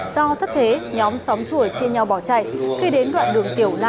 do thất thế nhóm xóm chùa chia nhau bỏ chạy khi đến đoạn đường tiểu la